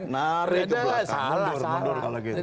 nggak ada mundur mundur kalau gitu